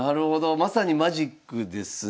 まさにマジックですね。